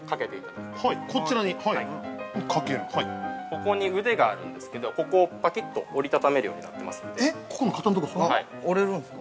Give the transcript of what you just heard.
◆ここに腕があるんですけど、ここをパキッと折り畳めるようになってますんで。